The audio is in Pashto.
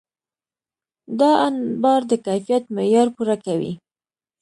دا انبار د کیفیت معیار پوره کوي.